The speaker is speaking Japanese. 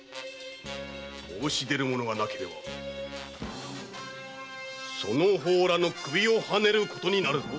申し出る者がなければその方らの首を刎ねることになるぞ！